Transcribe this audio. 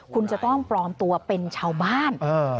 คุณจะต้องปลอมตัวเป็นชาวบ้าน